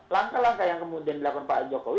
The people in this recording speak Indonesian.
langkah langkah yang kemudian dilakukan pak jokowi